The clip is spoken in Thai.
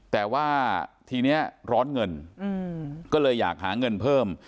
แต่ว่าทีนี้ร้อนเงินก็เลยอยากหาเงินเพิ่ม